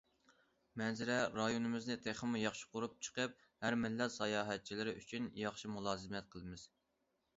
مەنزىرە رايونىمىزنى تېخىمۇ ياخشى قۇرۇپ چىقىپ، ھەر مىللەت ساياھەتچىلىرى ئۈچۈن ياخشى مۇلازىمەت قىلىمىز.